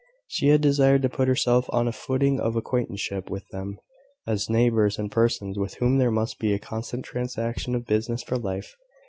She had desired to put herself on a footing of acquaintanceship with them, as neighbours, and persons with whom there must be a constant transaction of business for life.